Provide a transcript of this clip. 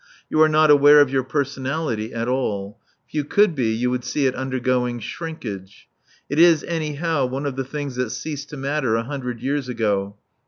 You are not aware of your personality at all. If you could be you would see it undergoing shrinkage. It is, anyhow, one of the things that ceased to matter a hundred years ago.